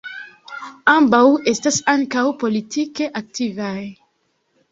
Ambaŭ estas ankaŭ politike aktivaj.